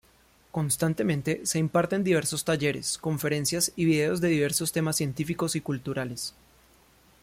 Constantemente se imparten diversos talleres, conferencias y vídeos de diversos temas científicos y culturales.